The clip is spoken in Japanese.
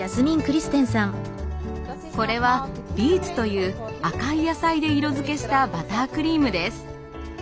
これはビーツという赤い野菜で色づけしたバタークリームです。